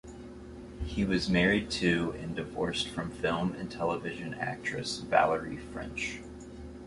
He was married to and divorced from film and television actress Valerie French.